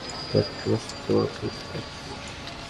তুই একটা মস্তবড় ভুল করতে যাচ্ছিস।